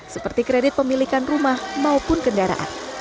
seperti kredit pemilikan rumah maupun kendaraan